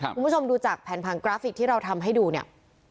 คุณผู้ชมดูจากแผนผังกราฟิกที่เราทำให้ดูเนี่ย